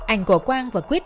ảnh của quang và quyết